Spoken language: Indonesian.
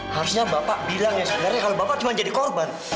harusnya bapak bilang ya sebenarnya kalau bapak cuma jadi korban